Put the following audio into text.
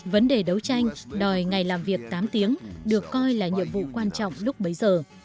vấn đề đấu tranh đòi ngày làm việc tám tiếng được coi là nhiệm vụ quan trọng lúc bấy giờ